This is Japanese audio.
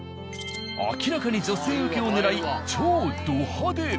明らかに女性受けを狙い超ド派手！